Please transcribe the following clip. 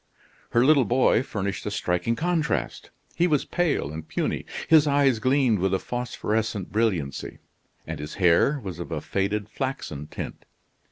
Her little boy furnished a striking contrast. He was pale and puny; his eyes gleamed with a phosphorescent brilliancy; and his hair was of a faded flaxen tint.